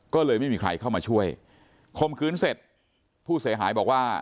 ก็เลยไม่มีใครเข้ามาช่วยคมคืนเสร็จผู้เสียหายบอกว่า